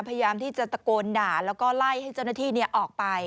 พยายามที่จะตะโกนด่าแล้วก็ไล่ให้เจ้าหน้าที่ออกไป